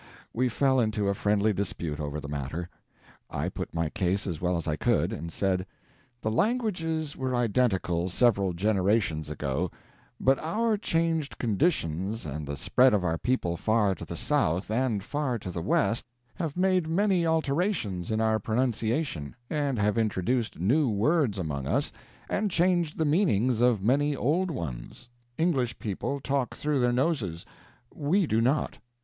We fell into a friendly dispute over the matter. I put my case as well as I could, and said: "The languages were identical several generations ago, but our changed conditions and the spread of our people far to the south and far to the west have made many alterations in our pronunciation, and have introduced new words among us and changed the meanings of many old ones. English people talk through their noses; we do not.